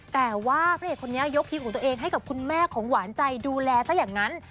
แต่ว่าพระเอกคนนี้ยกคิวของตัวเองให้กับคุณแม่ของหวานใจดูแลซะอย่างนั้น